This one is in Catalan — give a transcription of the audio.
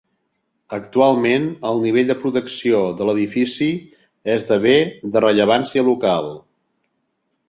Actualment el nivell de protecció de l'edifici és de Bé de Rellevància Local.